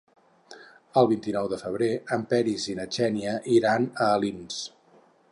El vint-i-nou de febrer en Peris i na Xènia iran a Alins.